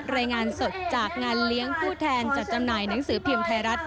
รายงานสดจากงานเลี้ยงผู้แทนจัดจำหน่ายหนังสือพิมพ์ไทยรัฐ